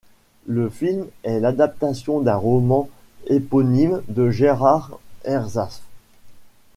Le film est l'adaptation d'un roman éponyme de Gérard Herzhaft.